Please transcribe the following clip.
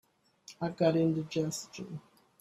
I've got indigestion.